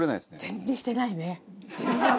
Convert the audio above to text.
全然してないね。